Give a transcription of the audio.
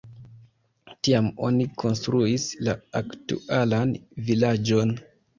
Tiam oni konstruis la aktualan vilaĝon.